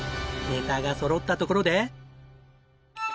ネタが揃ったところで。